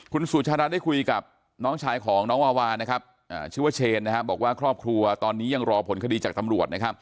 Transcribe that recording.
คุณสุชาดาได้คุยกับน้องชายของน้องวาวานะครับชื่อว่าเชนบอกว่าครอบครัวตอนนี้ยังรอผลคดีจากตำรวจนะครับ